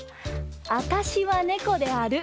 「あたしは猫である」